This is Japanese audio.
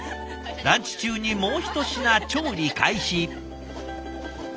ランチ中にもうひと品調理開始。